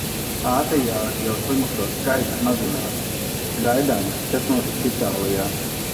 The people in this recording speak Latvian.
Āzijā jau slimušo skaits mazinās; gaidām, kas notiks Itālijā.